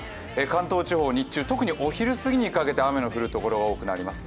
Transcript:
関東地方日中特にお昼すぎにかけて雨の降る所が多くなります。